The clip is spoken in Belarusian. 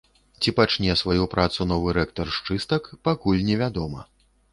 Ці пачне сваю працу новы рэктар з чыстак, пакуль не вядома.